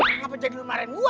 kenapa jadi lu marahin gue